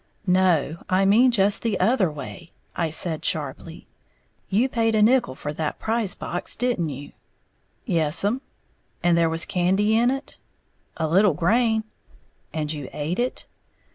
"No, I mean just the other way," I said sharply, "you paid a nickel for that prize box, didn't you?" "Yes'm." "And there was candy in it?" "A little grain." "And you ate it?"